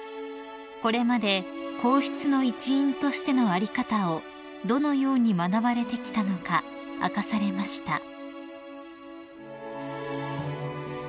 ［これまで皇室の一員としての在り方をどのように学ばれてきたのか明かされました］